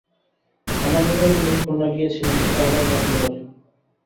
আমার ব্যাপারে তিনি খুলনা গিয়েছিলেন, এটা হঠাৎ জানতে পারি।